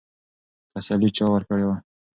تسلي چا ورکړې وه؟